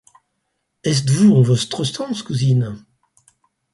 Estes-vous en vostre sens, cousine ?